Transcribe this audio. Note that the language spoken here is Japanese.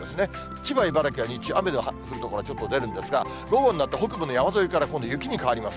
千葉、茨城は日中、雨の降る所、ちょっと出るんですが、午後になって北部の山沿いから今度雪に変わります。